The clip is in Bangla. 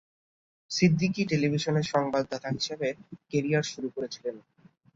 সিদ্দিকী টেলিভিশনে সংবাদদাতা হিসেবে কেরিয়ার শুরু করেছিলেন।